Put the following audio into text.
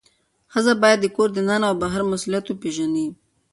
ښځه باید د کور دننه او بهر مسؤلیت وپیژني.